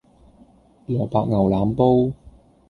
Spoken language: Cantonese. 蘿蔔牛腩煲